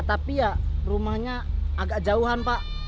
tapi ya rumahnya agak jauhan pak